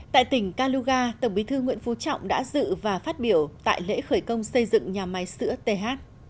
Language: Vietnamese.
tại tỉnh kaluga tổng bí thư nguyễn phú trọng đã dự và phát biểu tại lễ khởi công xây dựng nhà máy sữa th